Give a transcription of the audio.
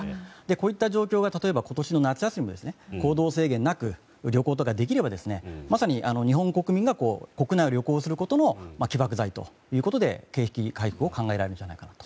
こういった状況が例えば夏休みも行動制限がなく旅行とかできれば日本国民が国内を旅行することも起爆剤ということで景気回復を考えられるんじゃないかと。